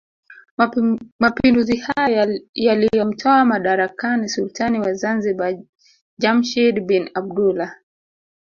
Mapinduzi hayo yaliyomtoa madarakani sultani wa Zanzibar Jamshid bin Abdullah